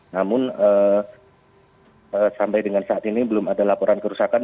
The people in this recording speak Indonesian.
namun sampai dengan saat ini belum ada laporan kerusakan